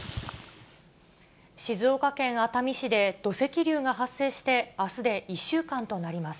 静岡県熱海市で、土石流が発生して、あすで１週間となります。